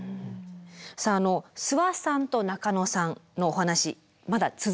さあ諏訪さんと中野さんのお話まだ続きます。